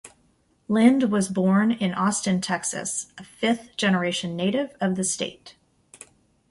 Lind was born in Austin, Texas, a fifth-generation native of the state.